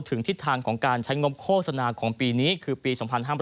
ทิศทางของการใช้งบโฆษณาของปีนี้คือปี๒๕๕๘